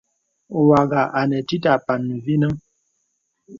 Wàghà anə tìt àpàn mvinəŋ.